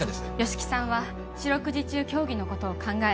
吉木さんは四六時中競技のことを考え